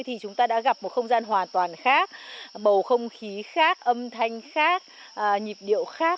thì chúng ta đã gặp một không gian hoàn toàn khác bầu không khí khác âm thanh khác nhịp điệu khác